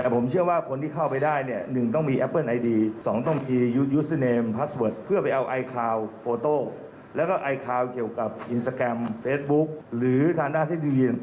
เป็นการล็อกอินก่อนที่จะเสียชีวิตหรือไม่